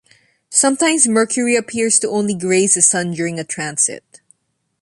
Sometimes Mercury appears to only graze the Sun during a transit.